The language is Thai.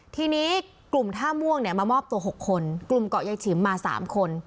ทีนี้กลุ่มท่าม่วงเนี่ยมามอบตัว๖คนกลุ่มเกาะยายฉิมมา๓คน